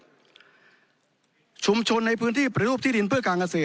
การจัดที่ดินชุมชนในพื้นที่ประดูกที่ดินเพื่อการเกษตร